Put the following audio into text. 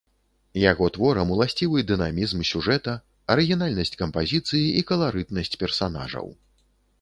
Яго творам уласцівы дынамізм сюжэта, арыгінальнасць кампазіцыі і каларытнасць персанажаў.